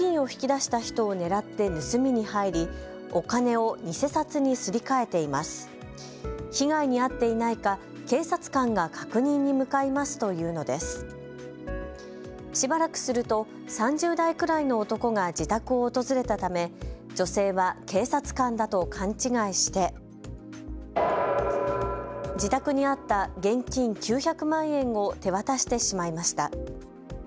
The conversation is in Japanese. しばらくすると３０代くらいの男が自宅を訪れたため女性は警察官だと勘違いして自宅にあった現金９００万円を手渡してしまいました。